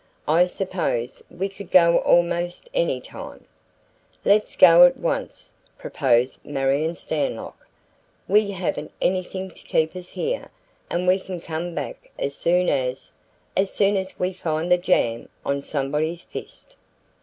"I suppose we could go almost any time." "Let's go at once," proposed Marion Stanlock. "We haven't anything to keep us here and we can come back as soon as as soon as we find the jam on somebody's fist."